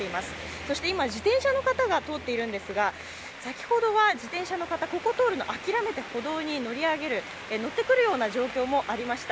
そして今、自転車の方が通っているんですが先ほどは自転車の方、ここを通るのを諦めて、歩道に乗り上げる、乗ってくるような状況もありました。